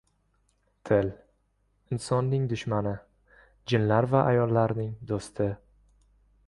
Til – insonning dushmani, jinlar va ayollarning do‘sti.